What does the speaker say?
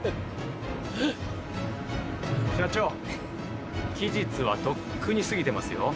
社長期日はとっくに過ぎてますよ。